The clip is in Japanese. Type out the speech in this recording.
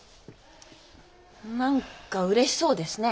何かうれしそうですね。